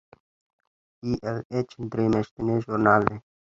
ای ایل ایچ درې میاشتنی ژورنال دی.